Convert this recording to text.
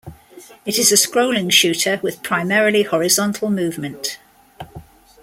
It is a scrolling shooter with primarily horizontal movement.